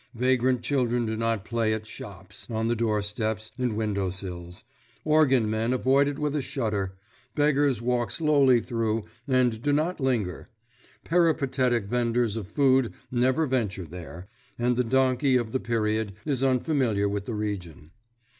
Vagrant children do not play at "shops" on the doorsteps and window sills; organ men avoid it with a shudder; beggars walk slowly through, and do not linger; peripatetic vendors of food never venture there; and the donkey of the period is unfamiliar with the region.